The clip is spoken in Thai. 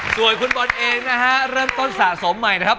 ส่วนคุณบอลเองนะฮะเริ่มต้นสะสมใหม่นะครับ